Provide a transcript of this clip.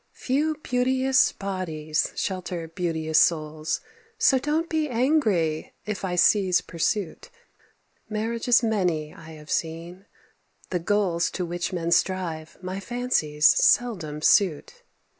Few beauteous bodies shelter beauteous souls; So don't be angry if I cease pursuit. Marriages many I have seen. The goals To which men strive my fancies seldom suit.